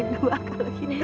dua kalau gitu